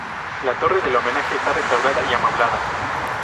La torre del homenaje está restaurada y amueblada.